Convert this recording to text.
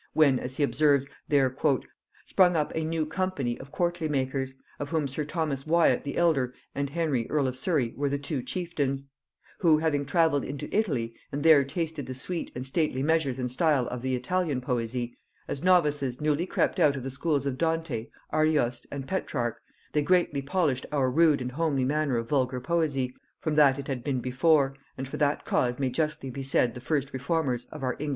when, as he observes, there "sprung up a new company of courtly makers, of whom sir Thomas Wyat the elder and Henry earl of Surry were the two chieftains; who having travelled into Italy, and there tasted the sweet and stately measures and style of the Italian poesy, as novices newly crept out of the schools of Dante, Arioste, and Petrarch, they greatly polished our rude and homely manner of vulgar poesy, from that it had been before, and for that cause may justly be said the first reformers of our English metre and style."